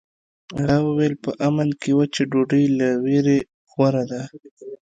هغه وویل په امن کې وچه ډوډۍ له ویرې غوره ده.